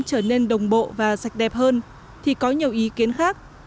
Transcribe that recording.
trở nên đồng bộ và sạch đẹp hơn thì có nhiều ý kiến khác